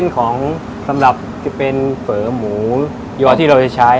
อันดับแรกแส่นเพื่อหมูยอที่เราจะใช้